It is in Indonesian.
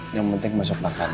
yang penting masuk makan